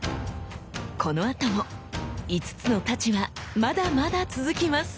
このあとも五津之太刀はまだまだ続きます。